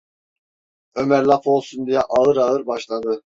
Ömer laf olsun diye ağır ağır başladı: